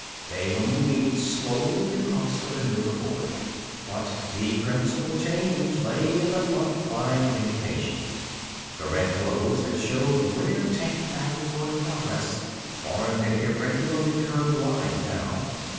They were moving slowly across the maneuver board. But the principal change lay in the front line indications. The red glows that showed where tank battles were in progress formed an irregularly curved line, now.